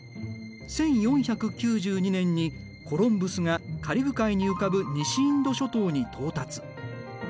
１４９２年にコロンブスがカリブ海に浮かぶ西インド諸島に到達。